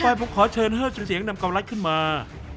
ต่อไปผมขอเชิญห้อจุดเสียงนำกำลังขึ้นมา